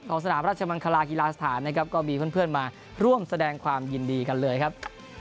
สนามราชมังคลากีฬาสถานนะครับก็มีเพื่อนมาร่วมแสดงความยินดีกันเลยครับ